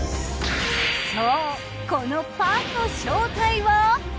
そうこのパンの正体は。